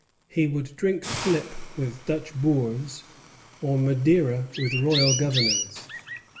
He could drink flip with Dutch boors, or Madeira with royal governors.